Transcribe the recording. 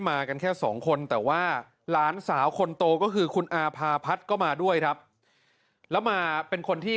ไม่เคยคิดว่าเขาจะทำเราได้